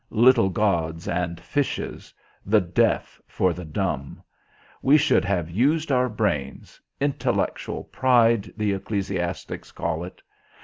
little gods and fishes! the deaf for the dumb. We should have used our brains intellectual pride, the ecclesiastics call it.